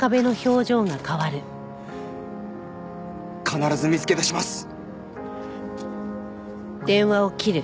必ず見つけ出します！